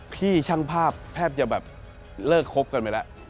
พี่ช่างภาพแทบจะแบบเลิกคบกันไปแล้ว